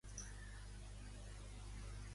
Com és que tampoc valia com a superior?